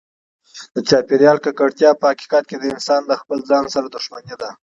د چاپیریال ککړتیا په حقیقت کې د انسان د خپل ځان سره دښمني ده.